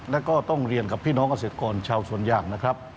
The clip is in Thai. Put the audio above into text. แล้วก็ต้องเรียนกับพี่น้องเกษตรกรชาวสวนยางนะครับ